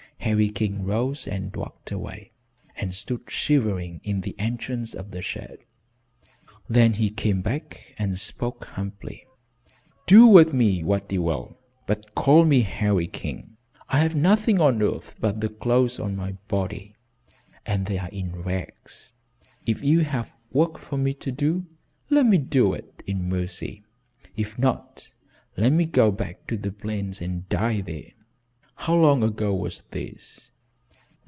Harry King rose and walked away and stood shivering in the entrance of the shed. Then he came back and spoke humbly. "Do with me what you will, but call me Harry King. I have nothing on earth but the clothes on my body, and they are in rags. If you have work for me to do, let me do it, in mercy. If not, let me go back to the plains and die there." "How long ago was this?"